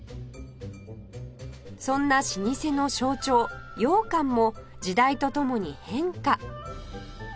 そんな老舗の象徴羊羹も時代とともに変化